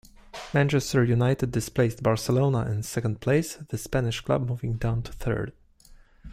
Manchester United displaced Barcelona in second place, the Spanish club moving down to third.